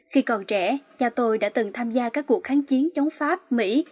khi còn trẻ cha tôi đã từng tham gia các cuộc kháng chiến chống pháp mỹ